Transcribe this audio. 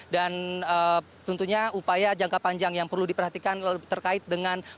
dan tentunya upaya jangka panjang yang perlu diperhatikan terkait dengan